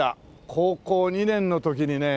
高校２年の時にね